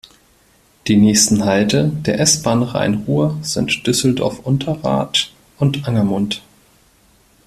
Die nächsten Halte der S-Bahn Rhein-Ruhr sind Düsseldorf-Unterrath und Angermund.